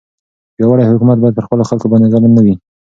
پیاوړی حکومت باید پر خپلو خلکو باندې ظالم نه وي.